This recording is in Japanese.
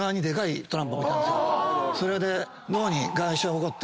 それで。